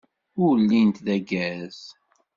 Ur llint d aggaz.